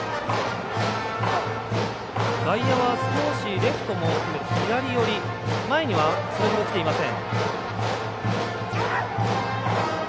外野は少しレフトも含めて左寄り、前にはそれほど来ていません。